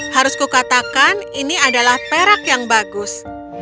harus kukatakan ini adalah perak yang bagus